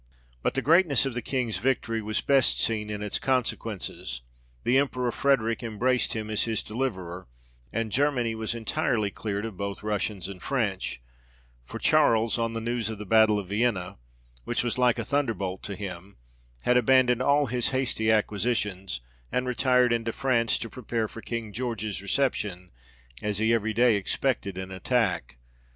But the greatness of the King's victory was best seen in its consequences ; the Emperor Frederick embraced him as his deliverer, and Germany was entirely cleared of both Russians and French ; for Charles, on the news of the battle of Vienna, which was like a thunder bolt to him, had abandoned all his hasty acquisitions, and retired into France, to prepare for King George's recep tion, as he every day expected an attack.